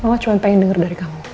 mama cuma pengen dengar dari kamu